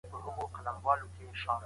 لس لسیان؛ سل کېږي.